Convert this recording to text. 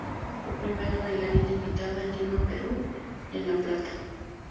Fue Primera bailarina invitada en Lima-Perú y en La Plata.